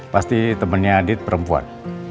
pasti temennya adit perempuan